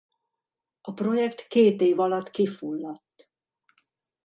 A projekt két év alatt kifulladt.